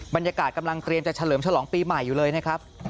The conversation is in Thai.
บรรยากาศกำลังเตรียมจะเฉลิมฉลองปีใหม่อยู่เลยนะครับ